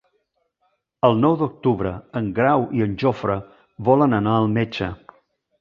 El nou d'octubre en Grau i en Jofre volen anar al metge.